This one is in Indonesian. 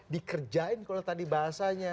dikerjain kalau tadi bahasanya